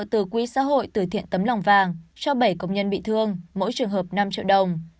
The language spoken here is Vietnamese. từ quỹ xã hội từ thiện tấm lòng vàng cho bảy công nhân bị thương mỗi trường hợp năm triệu đồng